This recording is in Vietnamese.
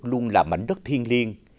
luôn là mảnh đất thiên liêng